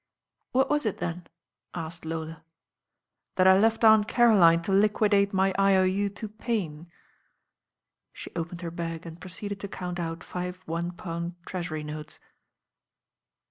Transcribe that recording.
••What was it, then?" asked Lola. •'That I left Aunt Caroline to liquidate my LO.U. to Payne." She opened her bag and proceeded to count out five one pound treasury notes.